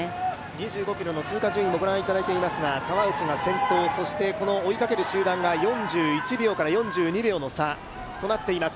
２５ｋｍの通過順位をご覧いただいていますが、川内が先頭、追いかける集団が４１秒から４２秒の差となっています。